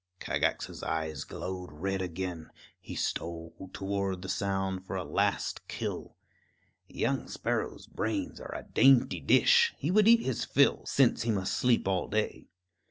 Kagax's eyes glowed red again; he stole toward the sound for a last kill. Young sparrows' brains are a dainty dish; he would eat his fill, since he must sleep all day.